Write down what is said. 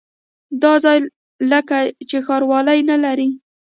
دا ځای لکه چې ښاروالي نه لري.